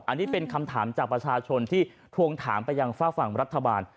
อันนี้เป็นคำถามจากประชาชนที่ทวงถามไปยังฝากฝั่งรัฐบาล